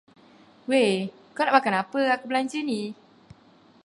Wei, kau nak makan apa aku belanja ni.